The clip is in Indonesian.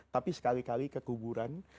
tapi sekali kali ke kuburan